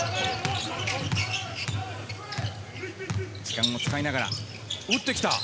時間を使いながら打ってきた！